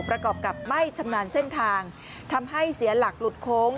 ประกอบกับไม่ชำนาญเส้นทางทำให้เสียหลักหลุดโค้ง